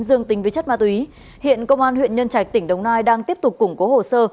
dương tính với chất ma túy hiện công an huyện nhân trạch tỉnh đồng nai đang tiếp tục củng cố hồ sơ